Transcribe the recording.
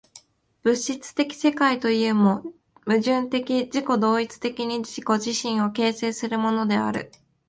物質的世界というも、矛盾的自己同一的に自己自身を形成するものである。